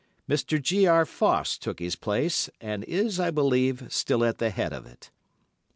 Mr. G. R. Foss took his place, and is, I believe, still at the head of it.